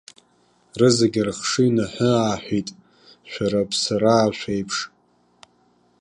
Рызегьы рыхшыҩ наҳәы-ааҳәит, шәара, аԥсараа шәеиԥш.